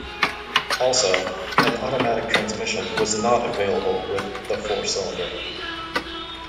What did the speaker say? Also, an automatic transmission was not available with the four-cylinder.